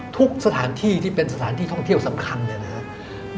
ทุกสถานที่ที่เป็นสถานที่ท่องเที่ยวสำคัญเนี่ยนะครับ